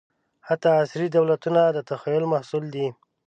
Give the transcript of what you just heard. حتی عصري دولتونه د تخیل محصول دي.